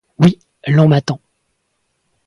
Oui, l'on m'attend.